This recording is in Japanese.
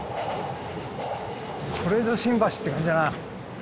これぞ新橋って感じだな。